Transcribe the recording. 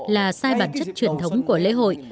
là sai bản chất truyền thống của lễ hội